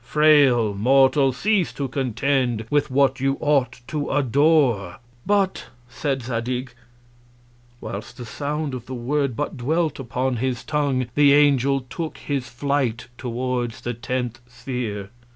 Frail Mortal! Cease to contend with what you ought to adore. But, said Zadig whilst the Sound of the Word But dwelt upon his Tongue, the Angel took his Flight towards the tenth Sphere.